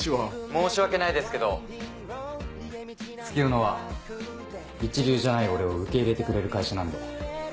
申し訳ないですけど月夜野は一流じゃない俺を受け入れてくれる会社なんで。